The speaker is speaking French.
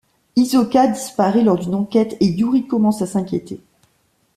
Hisoka disparait lors d'une enquête et Yuri commence à s’inquiéter.